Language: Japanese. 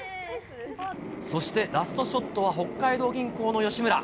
そしてラストショットは北海道銀行の吉村。